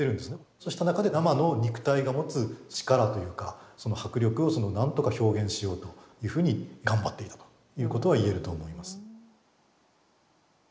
そうした中で生の肉体が持つ力というかその迫力を何とか表現しようというふうに頑張っているということは言えると思います。